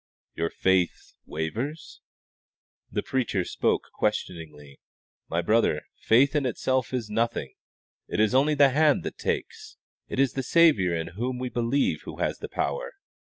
"Your faith wavers?" The preacher spoke questioningly. "My brother, faith in itself is nothing; it is only the hand that takes; it is the Saviour in whom we believe who has the power.